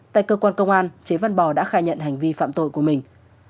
tại cơ quan công an chế văn bò đã khai nhận hành vi phạm tội của mình